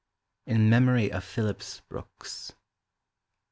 In Memory of Phillips Brooks.